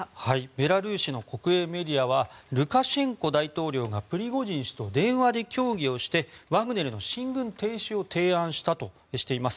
ベラルーシの国営メディアはルカシェンコ大統領がプリゴジン氏と電話で協議をしてワグネルの進軍停止を提案したとしています。